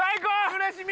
うれしい。